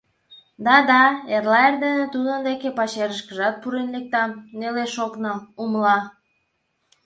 Да, да, эрла эрдене тудын деке пачерышкыжак пурен лектам, нелеш ок нал, умыла».